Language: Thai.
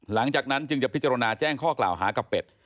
หลังจากนั้นจึงจะพิจารณาแจ้งข้อกล่าวหากับเป็ด